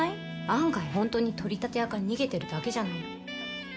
案外ホントに取り立て屋から逃げてるだけじゃないの？